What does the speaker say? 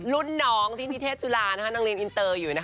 รุ่นน้องที่นิเทศจุฬานะคะนักเลียนอินเตอร์อยู่นะคะ